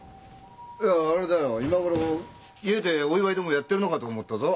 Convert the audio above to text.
いやあれだよ今頃家でお祝いでもやってるのかと思ったぞ。